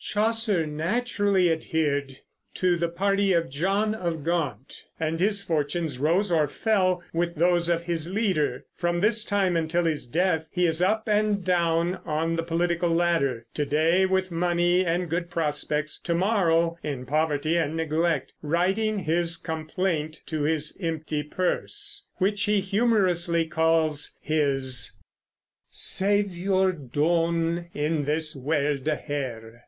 Chaucer naturally adhered to the party of John of Gaunt, and his fortunes rose or fell with those of his leader. From this time until his death he is up and down on the political ladder; to day with money and good prospects, to morrow in poverty and neglect, writing his "Complaint to His Empty Purs," which he humorously calls his "saveour doun in this werlde here."